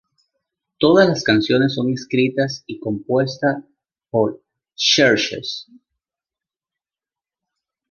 Todas las canciones son escritas y compuestas por Chvrches.